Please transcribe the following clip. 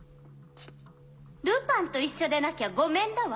ルパンと一緒でなきゃごめんだわ！